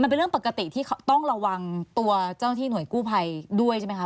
มันเป็นเรื่องปกติที่ต้องระวังตัวเจ้าหน้าที่หน่วยกู้ภัยด้วยใช่ไหมคะ